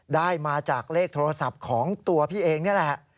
ได้มาจากเลขโทรศัพท์ของตัวพี่เองนี่แหละ